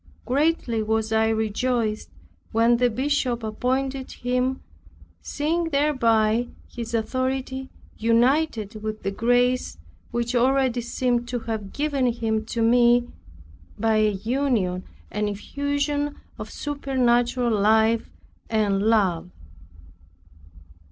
Greatly was I rejoiced when the Bishop appointed him, seeing thereby his authority united with the grace which already seemed to have given him to me, by a union and effusion of supernatural life and love.